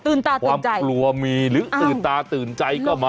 ตื่นตาตื่นใจ